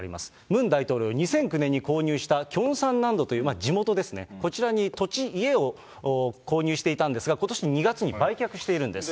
ムン大統領、２００９年に購入したキョンサン南道という、地元ですね、こちらに土地、家を購入していたんですが、ことし２月に売却しているんです。